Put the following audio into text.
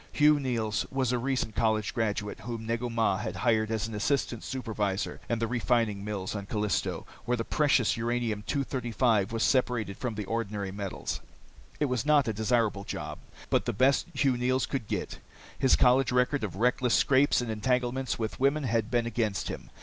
Hugh Neils was a recent college graduate whom Negu Mah had hired as an assistant supervisor in the refining mills on Callisto, where the precious uranium 235 was separated from the ordinary metal. It was not a desirable job, but the best Hugh Neils could get. His college record of reckless scrapes and entanglements with women had been against him.